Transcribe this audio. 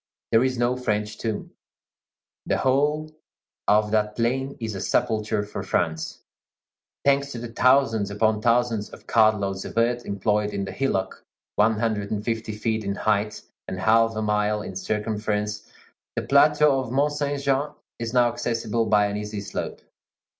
There is no French tomb. The whole of that plain is a sepulchre for France. Thanks to the thousands upon thousands of cartloads of earth employed in the hillock one hundred and fifty feet in height and half a mile in circumference, the plateau of Mont Saint Jean is now accessible by an easy slope.